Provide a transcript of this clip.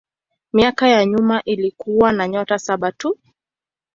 Miaka ya nyuma ilikuwa na nyota saba tu.